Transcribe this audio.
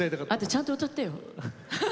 ちゃんと歌ってよ。